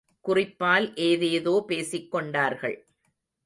குறிப்பால் ஏதேதோ பேசிக் கொண்டார்கள்.